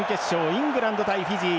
イングランド対フィジー。